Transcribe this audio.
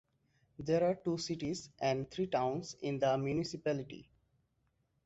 There are two cities and three towns in the municipality.